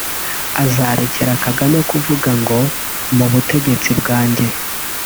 azarekera Kagame kuvuga ngo mu butegetsi bwanjye